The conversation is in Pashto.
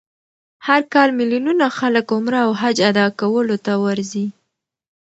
هر کال میلیونونه خلک عمره او حج ادا کولو ته ورځي.